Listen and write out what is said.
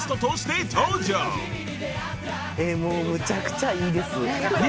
むちゃくちゃいいです。